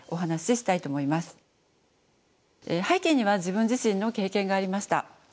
背景には自分自身の経験がありました。